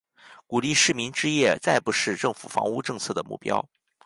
鼓励市民置业再不是政府房屋政策的目标。